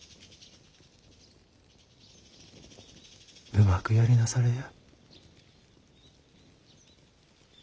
うまくやりなされや。